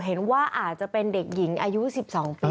เห็นว่าอาจจะเป็นเด็กหญิงอายุ๑๒ปี